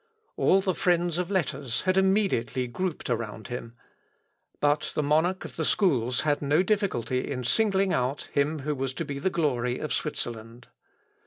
All the friends of letters had immediately grouped around him. But the monarch of the schools had no difficulty in singling out him who was to be the glory of Switzerland.